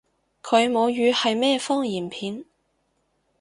佢母語係咩方言片？